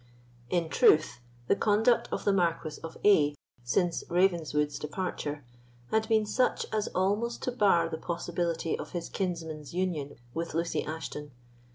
In truth, the conduct of the Marquis of A——, since Ravenswood's departure, had been such as almost to bar the possibility of his kinsman's union with Lucy Ashton.